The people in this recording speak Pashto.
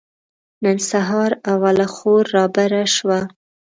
نن سهار اوله خور رابره شوه.